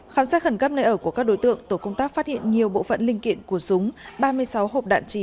khám sát khẩn cấp nơi ở của các đối tượng tổ công tác phát hiện nhiều bộ phận linh kiện của súng ba mươi sáu hộp đạn trì